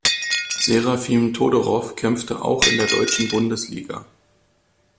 Serafim Todorow kämpfte auch in der deutschen Bundesliga.